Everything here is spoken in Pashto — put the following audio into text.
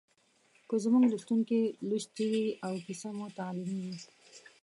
که زموږ لوستونکي لوستې وي او کیسه مو تعلیمي وي